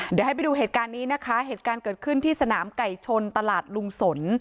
เดี๋ยวให้ไปดูเหตุการณ์นี้นะคะเหตุการณ์เกิดขึ้นที่สนามไก่ชนตลาดลุงสน